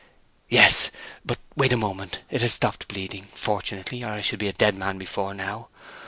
"Yes—but wait a moment—it has stopped bleeding, fortunately, or I should be a dead man before now.